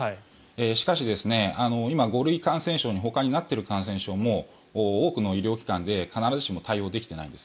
しかし、５類感染症になっているほかの感染症も多くの医療機関で必ずしも対応できていないんです。